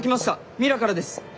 ミラからです！